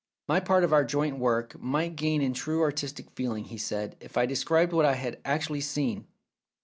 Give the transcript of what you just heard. "My part of our joint work might gain in true artistic feeling," he said, "if I described what I had actually seen.